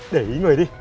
để ý người đi